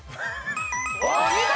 お見事！